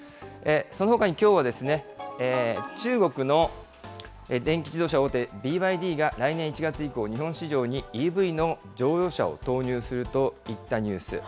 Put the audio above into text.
そのほかに、きょうは中国の電気自動車大手、ＢＹＤが来年１月以降、日本市場にＥＶの乗用車を投入するといったニュース。